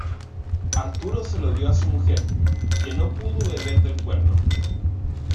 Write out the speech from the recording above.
Arturo se lo dio a su mujer, que no pudo beber del cuerno.